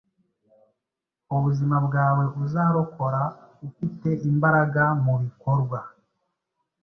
Ubuzima bwawe uzarokoraufite imbaraga mubikorwa